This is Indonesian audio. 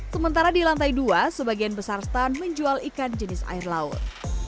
sementara di lantai dua sebagian besar stand menjual ikan jenis air laut